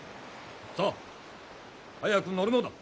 さあ早く乗るのだ。